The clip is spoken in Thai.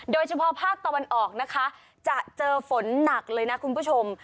โดยเฉพาะภาคตะวันออกนะคะจะเจอฝนหนักเลยนะคุณผู้ชม